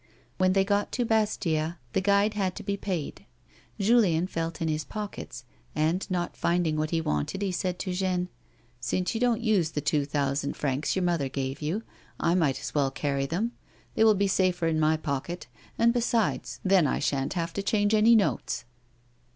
When they got to Bastia the guide had to be paid ; Julien felt in his pockets, and not finding what he wanted, ho said to Jeaime :" Since you don't use the two thousand francs your mother gave you, I might as well carry them ; they will be safer in my pocket, and, besides, then I sha'n't have to change any notes."